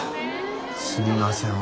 ・すみません